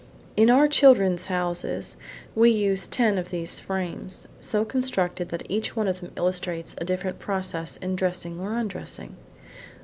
In our "Children's Houses" we use ten of these frames, so constructed that each one of them illustrates a different process in dressing or undressing.